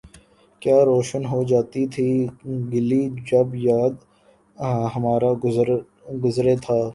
کیا روشن ہو جاتی تھی گلی جب یار ہمارا گزرے تھا